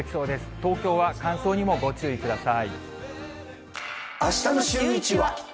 東京は乾燥にもご注意ください。